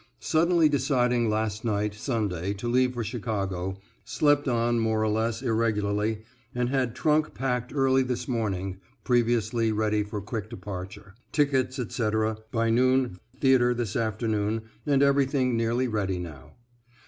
Suddenly deciding last night, Sunday, to leave for Chicago slept on more or less irregularly, and had trunk packed early this morning (previously ready for quick departure), tickets, etc., by noon theatre this afternoon, and everything nearly ready now.